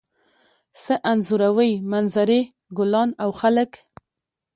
څه انځوروئ؟ منظرې، ګلان او خلک